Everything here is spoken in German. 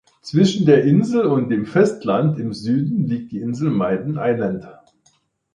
Zwischen der Insel und dem Festland im Süden liegt die Insel Maiden Island.